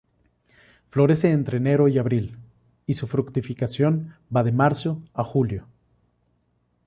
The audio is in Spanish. Florece entre enero y abril, y su fructificación va de marzo a julio.